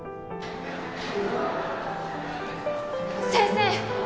先生！